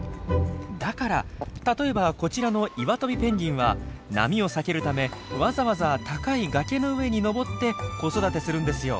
だから例えばこちらのイワトビペンギンは波を避けるためわざわざ高い崖の上に登って子育てするんですよ。